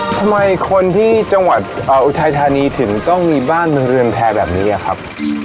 ทำไมคนที่จังหวัดอุทัยธานีถึงต้องมีบ้านเป็นเรือนแพร่แบบนี้อะครับ